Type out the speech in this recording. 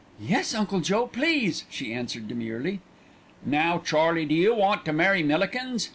"Yes, Uncle Joe, please," she answered demurely. "Now, Charlie, do you want to marry Millikins?"